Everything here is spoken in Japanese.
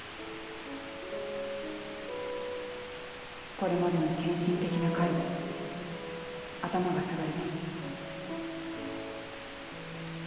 これまでの献身的な介護頭が下がります。